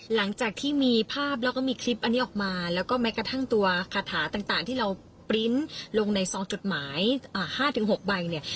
หลังจากที่มีภาพแล้วก็มีคลิปอันนี้ออกมาแล้วก็แม้กระทั่งตัวคาถาต่างที่เราปริ้นต์ลงในซองจดหมาย๕๖ใบเนี่ย